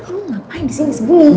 lu ngapain di sini sebungung